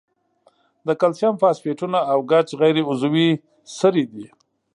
د کلسیم فاسفیټونه او ګچ غیر عضوي سرې دي.